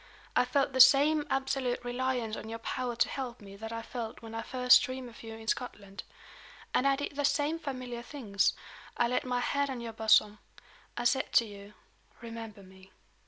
I felt the same absolute reliance on your power to help me that I felt when I first dreamed of you in Scotland. And I did the same familiar things. I laid my hand on your bosom. I said to you: 'Remember me.